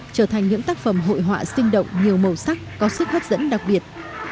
trở thành những tác phẩm hội họa sinh động nhiều màu sắc có sức hấp dẫn đặc biệt